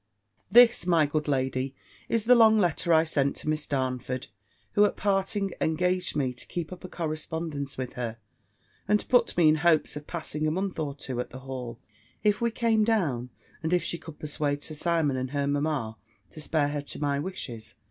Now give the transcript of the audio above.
B." This, my good lady, is the long letter I sent to Miss Darnford, who, at parting, engaged me to keep up a correspondence with her, and put me in hopes of passing a month or two at the Hall, if we came down, and if she could persuade Sir Simon and her mamma to spare her to my wishes.